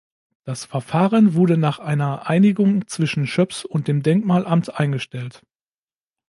Das Verfahren wurde nach einer Einigung zwischen Schöps und dem Denkmalamt eingestellt.